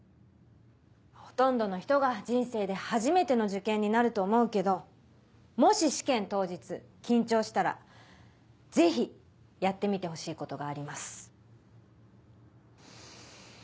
ほとんどの人が人生で初めての受験になると思うけどもし試験当日緊張したらぜひやってみてほしいことがあります。